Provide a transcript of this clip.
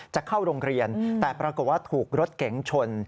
จะเข้าโรงเรียนแต่ปรากฏว่าถูกรถเก๋งชน